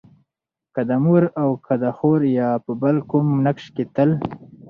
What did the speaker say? که د مور او که د خور يا په بل کوم نقش کې تل